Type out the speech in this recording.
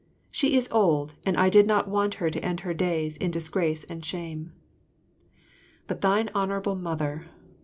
She is old, and I did not want her to end her days in disgrace and shame. But thine Honourable Mother!